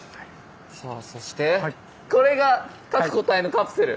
さあそしてこれが各個体のカプセル？